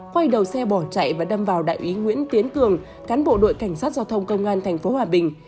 quay đầu xe bỏ chạy và đâm vào đại úy nguyễn tiến cường cán bộ đội cảnh sát giao thông công an tp hòa bình